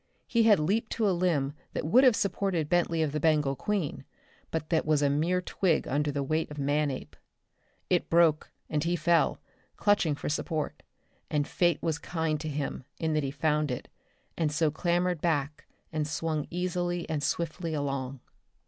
He had leaped to a limb that would have supported Bentley of the Bengal Queen, but that was a mere twig under the weight of Manape. It broke and he fell, clutching for support; and fate was kind to him in that he found it, and so clambered back and swung easily and swiftly along.